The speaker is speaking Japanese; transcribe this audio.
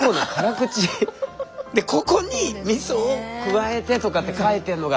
でここにみそを加えてとかって書いてんのが。